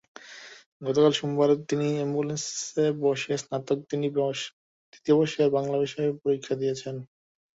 গতকাল সোমবার তিনি অ্যাম্বুলেন্সে বসে স্নাতক তৃতীয় বর্ষের বাংলা বিষয়ের পরীক্ষা দিয়েছেন।